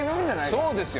そうです